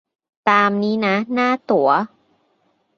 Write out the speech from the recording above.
ตามนี้นะ หน้าตั๋ว